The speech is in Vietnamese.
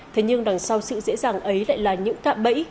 thế nhưng đằng sau sự dễ dàng ấy lại là những cạm bẫy